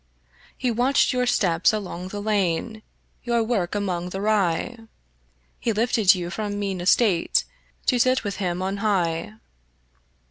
He watched your steps along the lane, Your work among the rye; He lifted you from mean estate To sit with him on high.